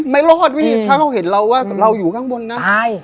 ไม่รอดพี่ถ้าเขาเห็นเราว่าเราอยู่ข้างบนนะใช่